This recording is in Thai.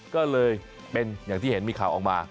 ก็เลยเป็นอย่างที่เห็นมีข่าวออกมา